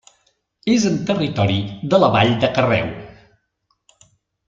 És en territori de la vall de Carreu.